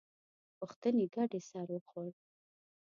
پوښتنې ګډې سر وخوړ.